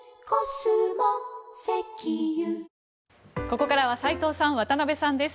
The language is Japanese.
ここからは斎藤さん、渡辺さんです。